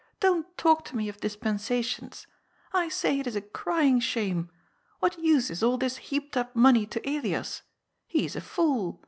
Don't talk to me of dispen sations. I say it is a crying shame. What use is all this heaped up money to Elias ? He is a fool.